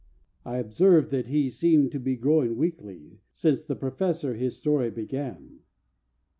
I observed that he seemed to be growing weakly Since the Professor his story began.